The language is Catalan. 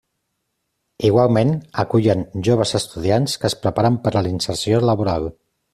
Igualment, acullen joves estudiants que es preparen per a la inserció laboral.